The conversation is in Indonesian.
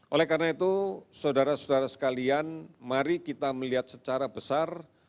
oleh karena itu saudara saudara sekalian mari kita melihat secara besar